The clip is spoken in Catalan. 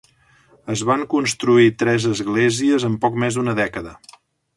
Es van construir tres esglésies en poc més d'una dècada.